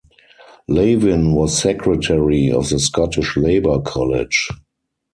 Lavin was secretary of the Scottish Labour College.